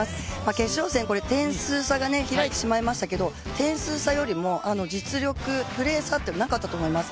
決勝戦、点数差が開いてしまいましたけど、点数差よりも実力、プレー差というのはなかったと思います。